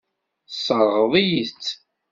Tesseṛɣeḍ-iyi-tt.